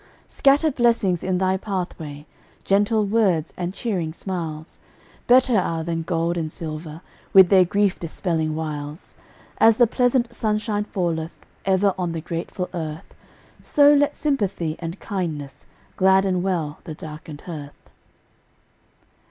Scatter blessings in thy pathway! Gentle words and cheering smiles Better are than gold and silver, With their grief dispelling wiles. As the pleasant sunshine falleth Ever on the grateful earth, So let sympathy and kindness Gladden well the darkened hearth.